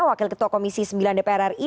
wakil ketua komisi sembilan dpr ri